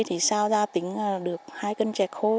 thì sao ra tính được hai cân trè khô